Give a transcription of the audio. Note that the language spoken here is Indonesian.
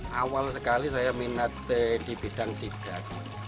saya sangat berminat dengan sidat